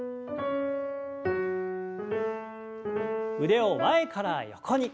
腕を前から横に。